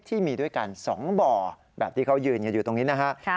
ที่มีด้วยกัน๒บ่อแบบที่เขายืนกันอยู่ตรงนี้นะฮะ